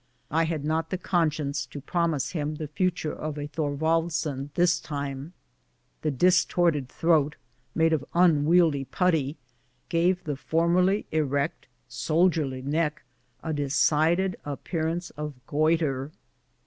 I had not the conscience to promise him the future of a Thorwaldsen this time. The distorted throat, made of unwieldy putty, gave the formerly erect, soldierly neck a decided appear ance of goitre.